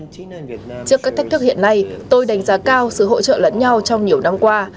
trước các thách thức hiện nay tôi đánh giá cao sự hỗ trợ lẫn nhau trong nhiều năm qua